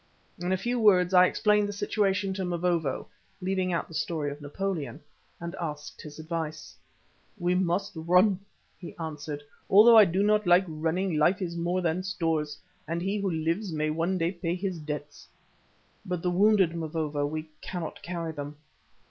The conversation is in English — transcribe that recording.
In a few words I explained the situation to Mavovo, leaving out the story of Napoleon, and asked his advice. "We must run," he answered. "Although I do not like running, life is more than stores, and he who lives may one day pay his debts." "But the wounded, Mavovo; we cannot carry them."